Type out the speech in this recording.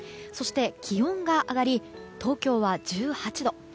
そして気温が上がり東京は１８度。